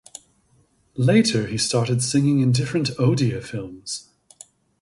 Later he started singing in different Odia films.